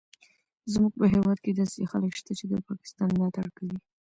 زموږ په هیواد کې داسې خلک شته چې د پاکستان ملاتړ کوي